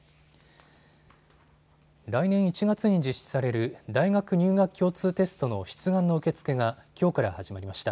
来年１月に実施される大学入学共通テストの出願の受け付けがきょうから始まりました。